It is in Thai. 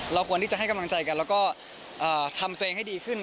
ควรที่จะให้กำลังใจกันแล้วก็ทำตัวเองให้ดีขึ้น